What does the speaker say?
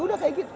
udah kayak gitu